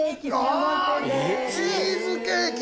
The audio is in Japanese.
チーズケーキ！